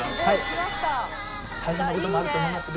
はい。